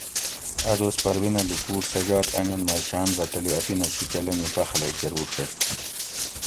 ا دوس پروینہ لُوکوٹ سجاد انگۤن مئی شاۤن رہ تلی اپینہ شِیکہ لنگی پخۤلئی کۤروڛیت